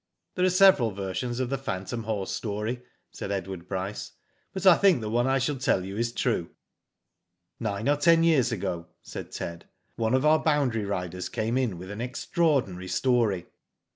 " There are several versions of the phantom horse story," said Edward Bryce; but I think the one I shall tell you is true." " Nine or ten years ago," ^aid Ted, one of our boundary riders came in with an extraordinary story.